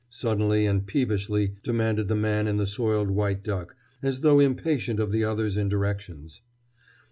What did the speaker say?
suddenly and peevishly demanded the man in the soiled white duck, as though impatient of the other's indirections.